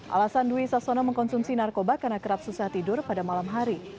alasan dwi sasono mengkonsumsi narkoba karena kerap susah tidur pada malam hari